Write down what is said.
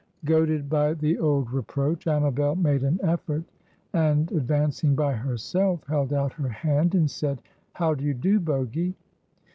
Goaded by the old reproach, Amabel made an effort, and, advancing by herself, held out her hand, and said, "How do you do, Bogy?"